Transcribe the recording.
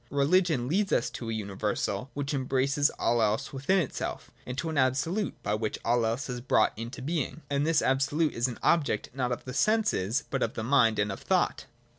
Religion leads us to a universal, which embraces all else within itself, to an Absolute by which all else is brought into being : and this Absolute is an object not of the senses but of the mind and of thought.